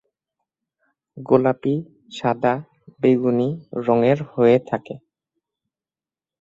গোলাপী, সাদা, বেগুনী রঙের হয়ে থাকে।